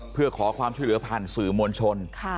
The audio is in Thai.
เพื่อขอความช่วยเหลือผ่านสื่อมวลชน